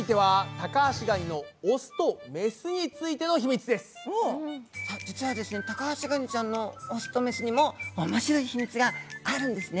タカアシガニちゃんのオスとメスにもおもしろい秘密があるんですね。